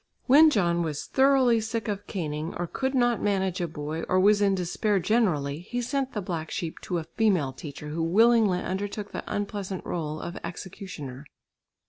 When John was thoroughly sick of caning, or could not manage a boy, or was in despair generally, he sent the black sheep to a female teacher, who willingly undertook the unpleasant rôle of executioner.